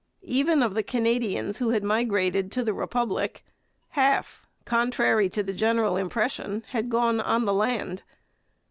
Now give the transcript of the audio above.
Even of the Canadians who had migrated to the Republic, half, contrary to the general impression, had gone on the land.